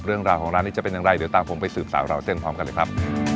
เรื่องราวของร้านนี้จะเป็นอย่างไรเดี๋ยวตามผมไปสืบสาวราวเส้นพร้อมกันเลยครับ